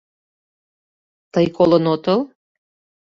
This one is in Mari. Тый колын отыл?